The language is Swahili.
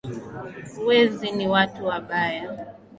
Wezi ni watu wabaya